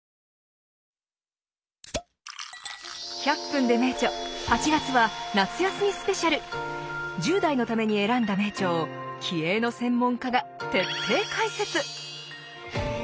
「１００分ｄｅ名著」８月は１０代のために選んだ名著を気鋭の専門家が徹底解説！